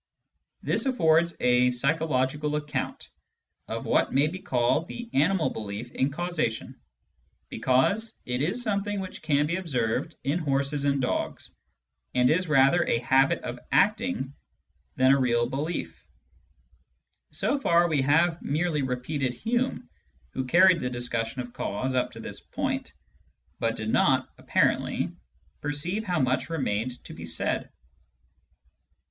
This affords a psycho logical account of what may be called the animal belief in causation, because it is something which can be observed in horses and dogs, and is rather a habit of acting than a real belief. So far, we have merely repeated Hume, who carried the discussion of cause up to this point, but did not, apparently, perceive how much remained to be said.